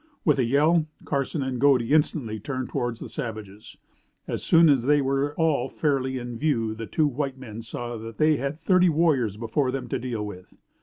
With a yell, Carson and Godey instantly turned towards the savages. As soon as they were all fairly in view the two white men saw that they had thirty warriors before them to deal with.